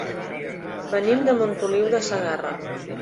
Venim de Montoliu de Segarra.